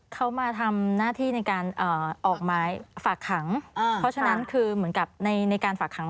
เขามาทำหน้าที่ในการออกหมายฝากขังเพราะฉะนั้นคือเหมือนกับในในการฝากขัง